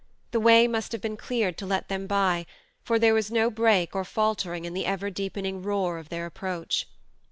The way must have been cleared to let them by, for there was no break or faltering in the ever deepening roar of their approach.